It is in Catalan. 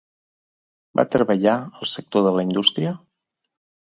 Va treballar al sector de la indústria?